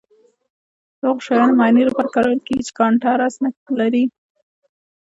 د هغو شیانو معاینې لپاره کارول کیږي چې کانټراسټ نه لري.